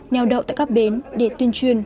nèo đậu tại các bến để tuyên truyền